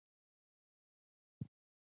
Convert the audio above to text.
هوښیاري دا ده چې له غرور نه ځان وساتې.